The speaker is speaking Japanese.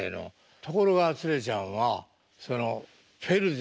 ところがツレちゃんはそのフェルゼンという。